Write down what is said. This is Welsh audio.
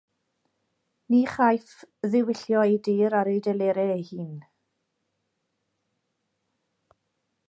Ni chaiff ddiwyllio ei dir ar ei delerau ei hun.